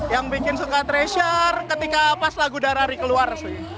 yang bikin suka treasure ketika pas lagu darah keluar